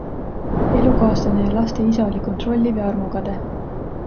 Elukaaslane ja laste isa oli kontrolliv ja armukade.